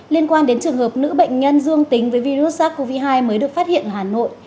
liên quan đến trường hợp nữ bệnh nhân dương tính với virus sars cov hai mới được phát hiện ở hà nội